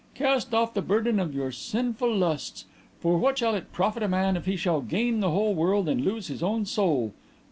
Cast off the burden of your sinful lusts, for what shall it profit a man if he shall gain the whole world and lose his own soul?